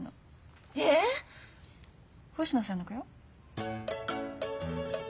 星野さんの子よ。